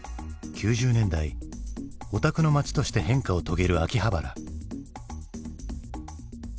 ９０年代オタクの街として変化を遂げる秋葉原。